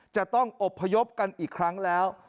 จะต้องอบพยพกันอีกครั้งแล้ว